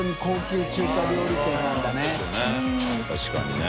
確かにね。